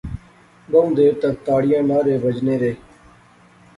بہوں دیر تک تاڑیاں نعرے بجنے رہے